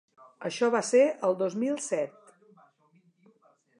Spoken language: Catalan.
Això va ser el dos mil set.